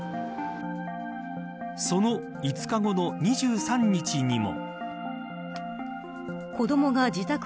その５日後の２３日にも。